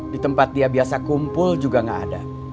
di tempat dia biasa kumpul juga nggak ada